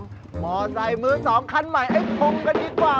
ไปชลอมมอเตสไตล์มือสองคันใหม่ไอ้พงกันดีกว่า